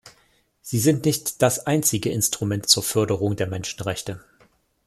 Sie sind nicht das einzige Instrument zur Förderung der Menschenrechte.